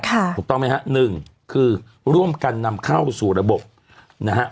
ถูกต้องไหมฮะหนึ่งคือร่วมกันนำเข้าสู่ระบบนะฮะ